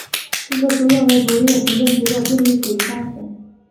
各个书院为独立的行政机构并隶属于大学。